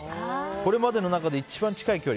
これまでの中で一番近い距離。